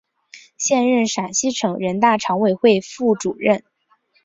现任陕西省人大常委会副主任。